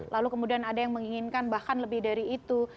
lalu kemudian ada yang menginginkan bahkan lebih dari itu